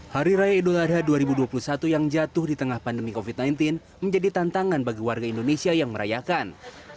hari raya idul adha dua ribu dua puluh satu yang jatuh di tengah pandemi covid sembilan belas menjadi tantangan bagi warga indonesia yang merayakan